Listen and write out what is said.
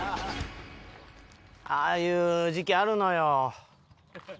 ああいう時期あるのようん。